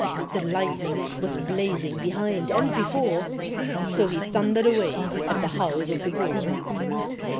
The lightning was blazing behind and before, So he thundered away at the house of the Boer.